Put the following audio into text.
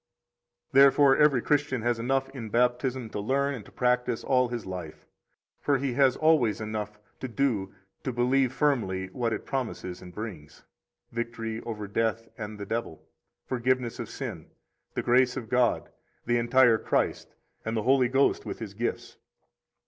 41 Therefore every Christian has enough in Baptism to learn and to practise all his life; for he has always enough to do to believe firmly what it promises and brings: victory over death and the devil, forgiveness of sin, the grace of God, the entire Christ, and the Holy Ghost with His gifts.